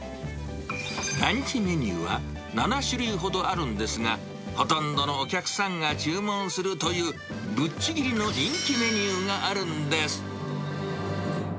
ランチメニューは７種類ほどあるんですが、ほとんどのお客さんが注文するという、ぶっちぎりの人気メニューがあるんです。